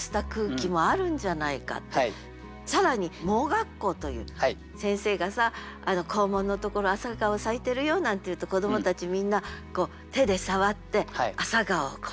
更に「盲学校」ということで先生がさ「校門のところ朝顔咲いてるよ」なんて言うと子どもたちみんな手で触って朝顔をこう。